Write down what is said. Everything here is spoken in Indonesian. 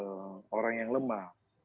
sebagai orang yang lemah